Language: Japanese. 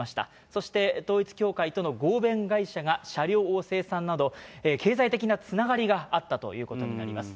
そして統一教会との合弁会社が車両を生産など、経済的なつながりがあったということになります。